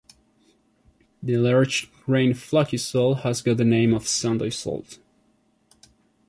The large grained flaky salt has got the name of Sunday salt.